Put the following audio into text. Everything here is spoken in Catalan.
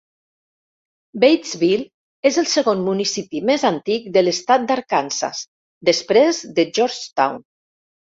Batesville és el segon municipi més antic de l'estat d'Arkansas, després de Georgetown.